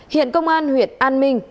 hiện công an huyện an minh